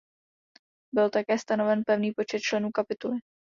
Byl také stanoven pevný počet členů kapituly.